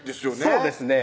そうですね